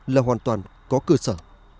là hoàn toàn có cơ sở